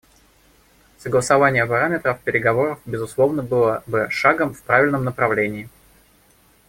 Согласование параметров переговоров, безусловно, было бы шагом в правильном направлении.